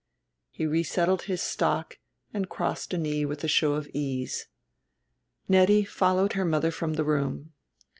He resettled his stock and crossed a knee with a show of ease. Nettie followed her mother from the room.